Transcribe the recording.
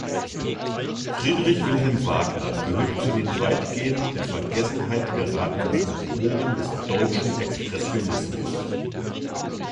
Friedrich Wilhelm Wagner gehört zu den weitgehend in Vergessenheit geratenen Autoren des deutschen Expressionismus.